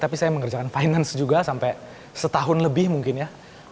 tapi saya mengerjakan finance juga sampai setahun lebih mungkin ya